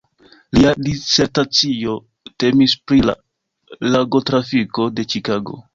Lia disertacio temis pri la lagotrafiko de Ĉikago.